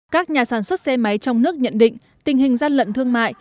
các nhà sản xuất xe máy trong nước nhận định tình hình gian lận thương mại